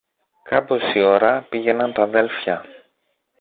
Κάμποση ώρα πήγαιναν τ' αδέλφια.